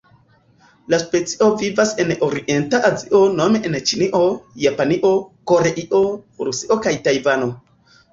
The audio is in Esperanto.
La specio vivas en Orienta Azio nome en Ĉinio, Japanio, Koreio, Rusio kaj Tajvano.